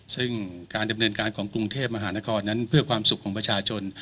ซึ่งการดำเนินการของกรุงเทพมหานครนั้นเพื่อความสุขของประชาชน